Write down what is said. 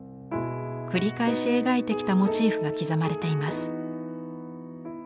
繰り返し描いてきたモチーフが刻まれています。